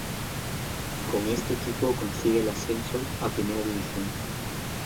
Con este equipo consigue el ascenso a Primera división.